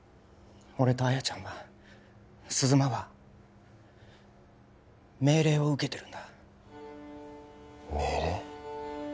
俺と亜矢ちゃんは鈴間は命令を受けてるんだ命令？